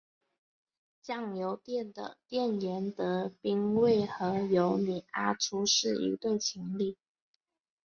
酱油店的店员德兵卫和游女阿初是一对情侣。